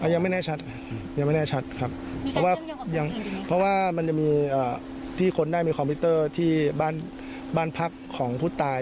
ยังไม่แน่ชัดยังไม่แน่ชัดครับเพราะว่ายังเพราะว่ามันจะมีที่คนได้มีคอมพิวเตอร์ที่บ้านพักของผู้ตาย